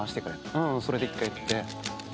うんうんそれで１回行って。